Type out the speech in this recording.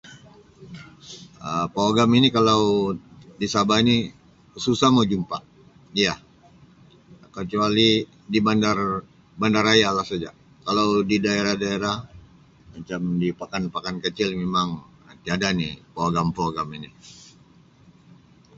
Um Pawagam ini kalau di Sabah ini susah mau jumpa iya kecuali di bandar bandaraya lah saja kalau di daerah-daerah macam di pakan pakan kecil mimang tiada ni pawagam pawagam ini.